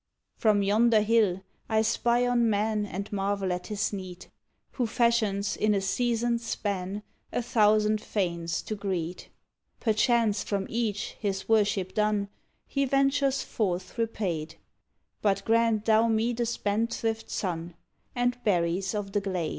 From yonder hill I spy on man And marvel at his need, Who fashions, in a season's span, A thousand fanes to Greed; Perchance from each, his worship done, He ventures forth repaid, But grant thou me the spendthrift sun And berries of the glade.